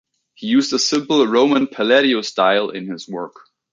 He used a simple Roman Palladio-style in his work.